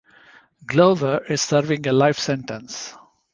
Glover is serving a life sentence.